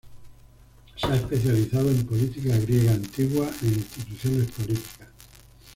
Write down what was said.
Se ha especializado en política griega antigua e instituciones políticas.